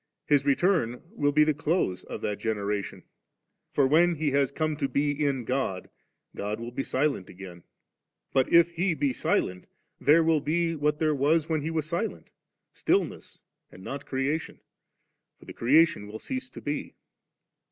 His return will be the close ^ of that generation, for when He has come to be in God, God will be silent again. But if He shall be silent, there will be what there was when He was silent, stillness and not creation, for the creation will cease to be.